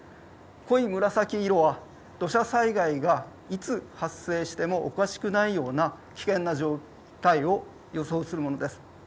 濃い紫色は土砂災害がいつ発生してもおかしくないような危険な状態を予想するものです。